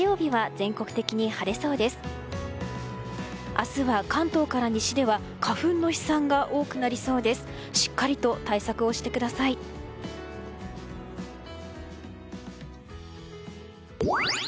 明日は関東から西では花粉の飛散が多くなりそうです。